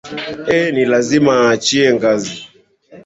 ee ni ni lazima aa aachilie ngazi